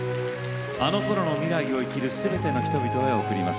あのころの未来を生きるすべての人々へ贈ります。